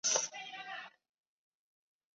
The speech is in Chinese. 波缘报春为报春花科报春花属下的一个种。